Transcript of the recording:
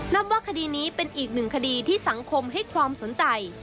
นับว่าคดีนี้เป็นอีกหนึ่งคดีที่สังคมให้ความสนใจ